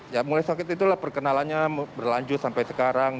ya mulai saat itu perkenalannya berlanjut sampai sekarang